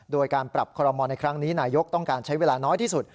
โดยการปรับคอรมอลในครั้งนี้นายกต้องการใช้เวลาน้อยที่สุด